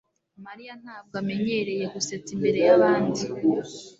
mariya ntabwo amenyereye gusetsa imbere yabandi